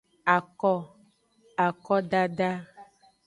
Ako, akodada.